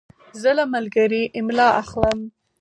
زه له ملګري املا اخلم.